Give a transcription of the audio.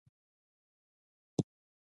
سړی وویل: هیڅ هم نشته.